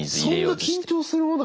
そんな緊張するもの？